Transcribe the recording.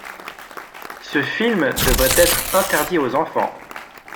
Ce film devrait être interdit aux enfants.